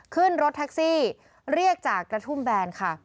ขึ้นรถแท็กซี่เรียกจากกระทุ่มแบนค่ะ